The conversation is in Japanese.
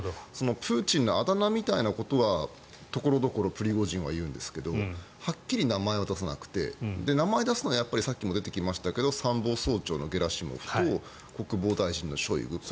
プーチンのあだ名みたいなことは所々プリゴジンは言うんですけどはっきり名前は出さなくて名前を出すのはさっきも出てきましたが参謀総長のゲラシモフと国防大臣のショイグと。